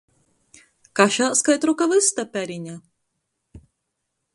Kašās kai troka vysta perine.